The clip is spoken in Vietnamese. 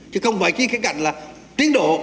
chứ không phải khi khai cạnh là tiến độ